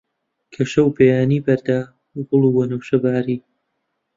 کە شەو بەیانی بەردا، گوڵ و وەنەوشە باری